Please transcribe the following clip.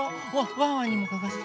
ワンワンにもかがせて。